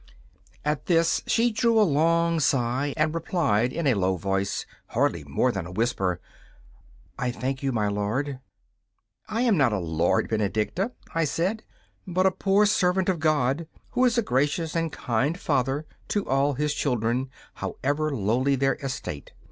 At this she drew a long sigh, and replied in a low voice, hardly more than a whisper: 'I thank you, my lord.' 'I am not a lord, Benedicta,' I said, 'but a poor servant of God, who is a gracious and kind Father to all His children, however lowly their estate.